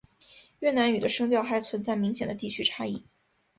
越南语的声调还存在明显的地区差异。